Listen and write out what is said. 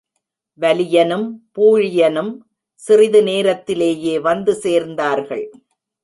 வலியனும் பூழியனும் சிறிது நேரத்திலேயே வந்து சேர்ந்தார்கள்.